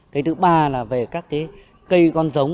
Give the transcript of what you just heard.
cái thứ ba là về các cái cây con giống